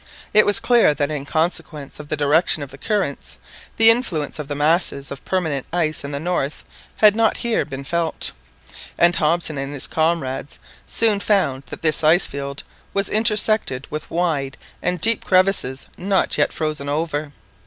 It was clear that in consequence of the direction of the currents the influence of the masses of permanent ice in the north had not here been felt, and Hobson and his comrades soon found that this ice field was intersected with wide and deep crevasses not yet frozen over.